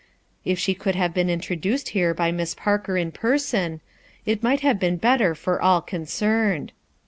If she could have been introduced here by Miss Parker in person, it might have been better for all concerned.